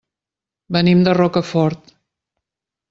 Venim de Rocafort.